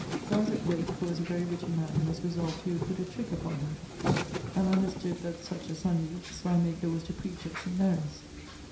Sir Isaac Wake, who was a very witty man, was resolved he would putt a trick upon him, and understood that such a Sunday Slymaker was to preach at St. Mary's.